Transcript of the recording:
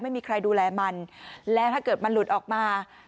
ไม่มีใครดูแลมันแล้วถ้าเกิดมันหลุดออกมา